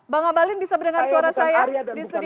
bang abalin bisa mendengar suara saya di studio